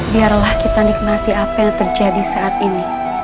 biarlah kita nikmati apa yang terjadi saat ini